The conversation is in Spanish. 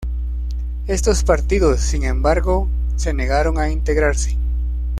Estos partidos, sin embargo, se negaron a integrarse.